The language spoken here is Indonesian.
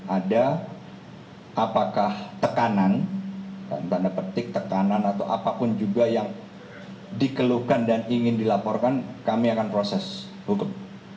ada apakah tekanan tanda petik tekanan atau apapun juga yang dikeluhkan dan ingin dilaporkan kami akan proses hukum